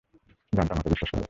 জানতাম ওকে বিশ্বাস করা যায়।